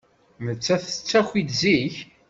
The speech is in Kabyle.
Nettat tettaki-d zik.